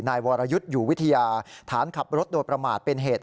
วรยุทธ์อยู่วิทยาฐานขับรถโดยประมาทเป็นเหตุ